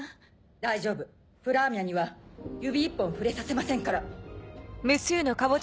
大丈夫プラーミャには指一本触れさせませんから。